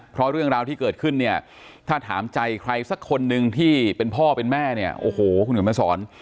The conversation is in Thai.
เพราะเรื่องราวที่เกิดขึ้นเนี่ยถ้าถามใจใครสักคนนึงที่เป็นพ่อเป็นแม่เนี่ยโอ้โหคุณเขียนมาสอน